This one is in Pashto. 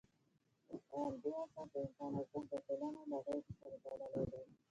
په همدې اساس، د انسان ارزښت د ټولنې له غېږې سره تړلی دی.